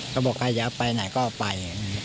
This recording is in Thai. ก็บอกใครจะเอาไปไหนก็เอาไป